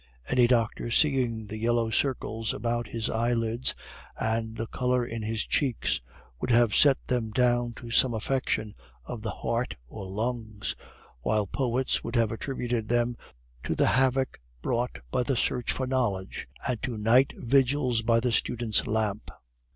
Any doctor seeing the yellow circles about his eyelids, and the color in his cheeks, would have set them down to some affection of the heart or lungs, while poets would have attributed them to the havoc brought by the search for knowledge and to night vigils by the student's lamp.